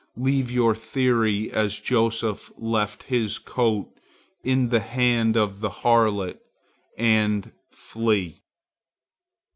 Leave your theory, as Joseph his coat in the hand of the harlot, and flee.